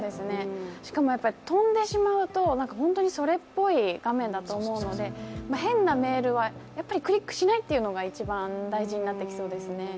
しかも飛んでしまうと、それっぽい画面だと思うので変なメールはやっぱりクリックしないというのが一番大事になってきそうですね。